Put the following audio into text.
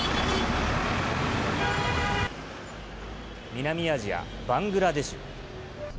南アジア・バングラデシュ。